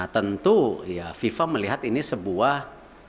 tentu ya fifa melihat ini sebuah